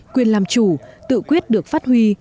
quyền làm chủ tự quyết được phát huy